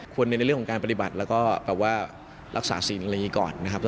ในเรื่องของการปฏิบัติแล้วก็แบบว่ารักษาศีลอะไรอย่างนี้ก่อนนะครับ